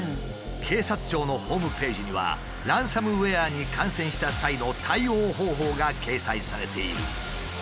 警察庁のホームページにはランサムウエアに感染した際の対応方法が掲載されている。